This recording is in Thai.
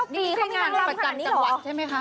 นี่ไม่ใช่งานประจำจังหวัดใช่มั้ยคะ